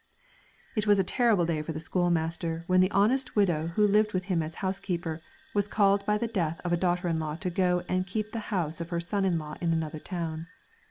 It was a terrible day for the schoolmaster when the honest widow who lived with him as housekeeper was called by the death of a daughter in law to go and keep the house of her son in another town.